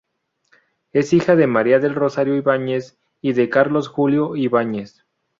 Es hija de María del Rosario Ibáñez y de Carlos Julio Ibáñez.